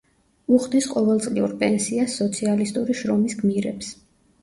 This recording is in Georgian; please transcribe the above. უხდის ყოველწლიურ პენსიას სოციალისტური შრომის გმირებს.